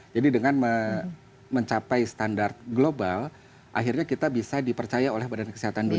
jadi dengan mencapai standar global akhirnya kita bisa dipercaya oleh badan kesehatan dunia